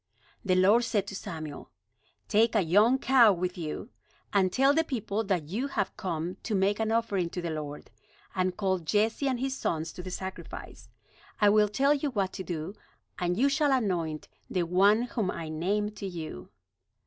The Lord said to Samuel: "Take a young cow with you; and tell the people that you have come to make an offering to the Lord. And call Jesse and his sons to the sacrifice. I will tell you what to do, and you shall anoint the one whom I name to you."